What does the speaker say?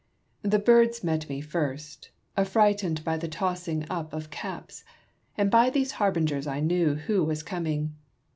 The birds met me first, affright ened by the tossing up of caps ; and by these harbingers I knew who were coming.